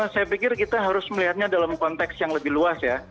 saya pikir kita harus melihatnya dalam konteks yang lebih luas ya